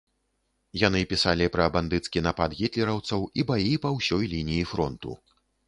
Яны пісалі пра бандыцкі напад гітлераўцаў і баі па ўсёй лініі фронту.